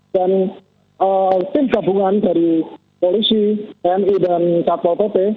dan tim gabungan dari polisi tni dan ktpt